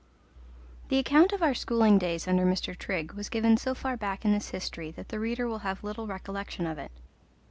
The account of our schooling days under Mr. Trigg was given so far back in this history that the reader will have little recollection of it.